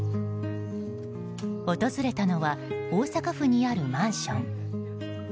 訪れたのは大阪府にあるマンション。